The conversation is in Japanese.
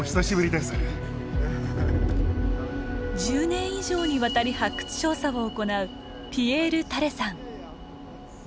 １０年以上にわたり発掘調査を行うピエール・タレさん。